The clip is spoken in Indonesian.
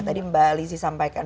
tadi mbak lizzy sampaikan